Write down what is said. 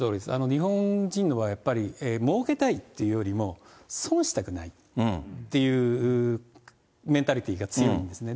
日本人の場合、やっぱり、もうけたいっていうよりも、損したくないっていうメンタリティーが強いんですね。